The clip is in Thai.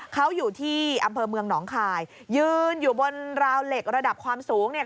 เขาอยู่ที่อำเภอเมืองหนองคายยืนอยู่บนราวเหล็กระดับความสูงเนี่ย